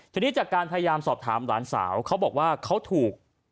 ทีนี้จากการพยายามสอบถามหลานสาวเขาบอกว่าเขาถูก